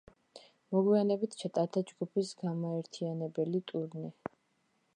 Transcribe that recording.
მოგვიანებით ჩატარდა ჯგუფის გამაერთიანებელი ტურნე.